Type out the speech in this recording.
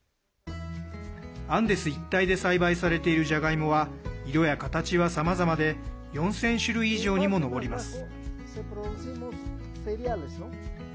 アンデス一帯で栽培されているじゃがいもは色や形はさまざまで４０００種類以上にも上ります。